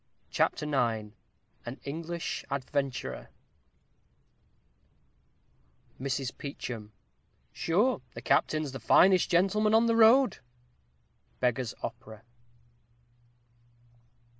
CHAPTER IX AN ENGLISH ADVENTURER Mrs. Peachem. Sure the captain's the finest gentleman on the road. _Beggar's Opera.